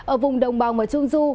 ở vùng đồng bào mà trung du